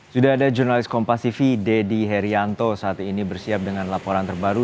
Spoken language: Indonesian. sudah ada jurnalis kompasifi deddy herianto saat ini bersiap dengan laporan terbaru